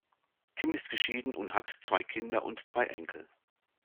Timm ist geschieden und hat zwei Kinder und drei Enkel.